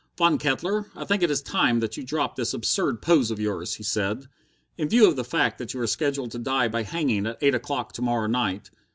"Von Kettler, I think it is time that you dropped this absurd pose of yours," he said, "in view of the fact that you are scheduled to die by hanging at eight o'clock to morrow night.